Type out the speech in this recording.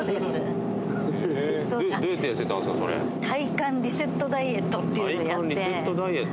体幹リセットダイエット。